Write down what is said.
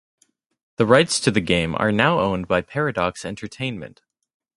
The rights to the game are now owned by Paradox Entertainment.